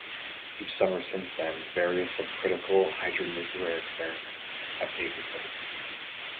Each summer since then various subcritical hydronuclear experiments have taken place.